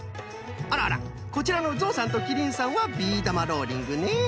あらあらこちらのゾウさんとキリンさんはビー玉ローリングね。